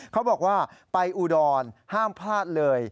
เขาบอกว่าไปอุดรห้ามพลาดเลย